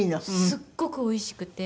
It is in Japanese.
すっごくおいしくて。